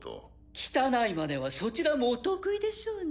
汚いまねはそちらもお得意でしょうに。